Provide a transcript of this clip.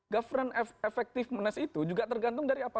governance effectiveness itu juga tergantung dari apa